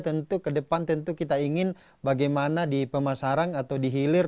tentu ke depan tentu kita ingin bagaimana di pemasaran atau di hilir